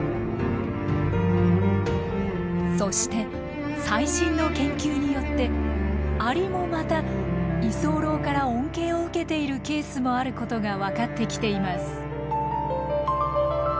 そして最新の研究によってアリもまた居候から恩恵を受けているケースもあることが分かってきています。